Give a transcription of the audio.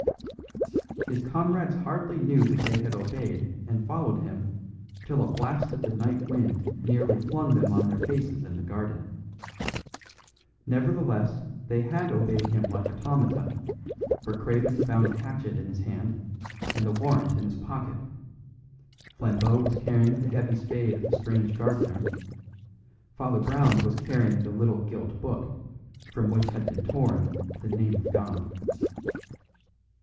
His comrades hardly knew that they had obeyed and followed him till a blast of the night wind nearly flung them on their faces in the garden. Nevertheless they had obeyed him like automata; for Craven found a hatchet in his hand, and the warrant in his pocket; Flambeau was carrying the heavy spade of the strange gardener; Father Brown was carrying the little gilt book from which had been torn the name of God.